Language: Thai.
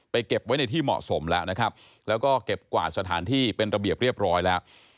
เก็บไว้ในที่เหมาะสมแล้วนะครับแล้วก็เก็บกวาดสถานที่เป็นระเบียบเรียบร้อยแล้ว